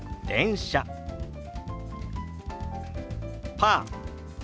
「パー」。